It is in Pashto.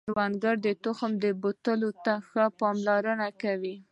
کروندګر د تخم بوتل ته ښه پاملرنه کوي